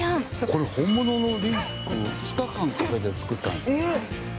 これ、本物のリンクを２日間かけて作ったんですよ。